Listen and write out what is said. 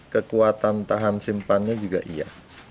kekuatan tahan simpannya juga iya